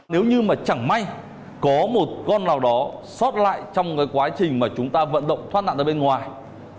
nếu như mà chẳng may có một con nào đó sót lại trong cái quá trình mà chúng ta vận động thoát nạn ra bên ngoài